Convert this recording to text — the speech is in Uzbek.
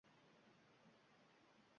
Eleanor Ruzvel`t